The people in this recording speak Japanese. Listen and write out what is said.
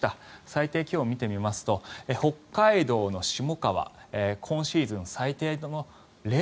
最低気温を見てみますと北海道の下川今シーズン最低の０．１度。